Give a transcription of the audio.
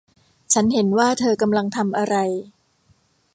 ฉันเห็นว่าเธอกำลังทำอะไร